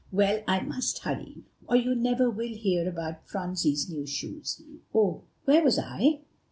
"Well, I must hurry, or you never will hear about Phronsie's new shoes. Oh! where was I?"